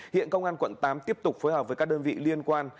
hiện công an quận tám tiếp tục phối hợp với các đơn vị liên quan